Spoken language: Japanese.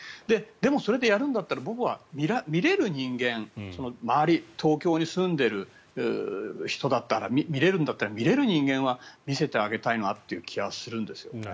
でもそれでやるんだったら僕は見れる人間周り、東京に住んでる人だったら見れるんだったら見れる人間は見せてあげたいなっていう気はするんですよね。